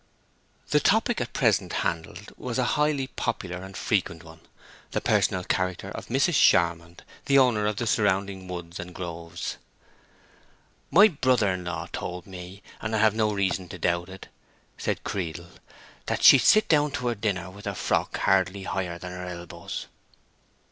The topic at present handled was a highly popular and frequent one—the personal character of Mrs. Charmond, the owner of the surrounding woods and groves. "My brother in law told me, and I have no reason to doubt it," said Creedle, "that she'd sit down to her dinner with a frock hardly higher than her elbows.